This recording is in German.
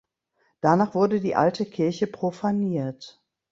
Danach wurde die Alte Kirche profaniert.